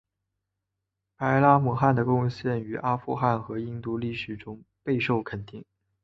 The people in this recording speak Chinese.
白拉姆汗的贡献于阿富汗和印度历史中备受肯定。